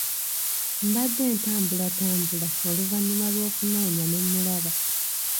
Mbadde ntambulatambula oluvannyuma lw'okunoonya ne mulaba.